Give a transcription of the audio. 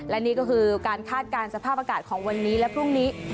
และนี่ก็คือการคาดการณ์สภาพอากาศของวันนี้และพรุ่งนี้